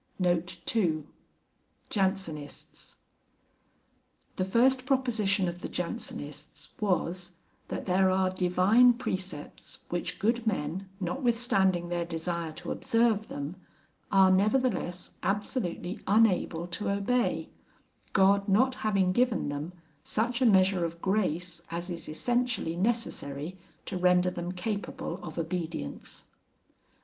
The first proposition of the Jansenists was, that there are divine precepts which good men, notwithstanding their desire to observe them, are nevertheless absolutely unable to obey: God not having given them such a measure of grace as is essentially necessary to render them capable of obedience.